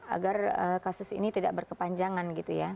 agar kasus ini tidak berkepanjangan